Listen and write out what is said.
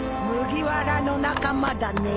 麦わらの仲間だね？